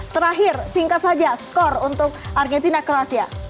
terakhir singkat saja skor untuk argentina kroasia